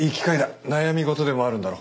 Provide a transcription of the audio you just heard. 悩み事でもあるんだろ？